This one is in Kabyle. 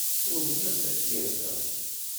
Ur rniɣ tafyirt-a.